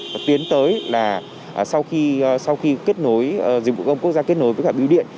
và tiến tới là sau khi dịch vụ công quốc gia kết nối với cả biểu điện